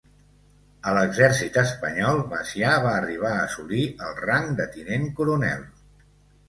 A l'Exèrcit espanyol, Macià va arribar a assolir el rang de tinent coronel.